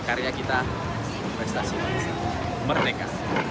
karya kita prestasi bangsa merdeka